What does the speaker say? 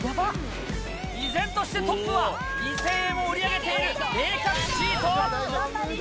依然としてトップは２０００円を売り上げている冷却シート。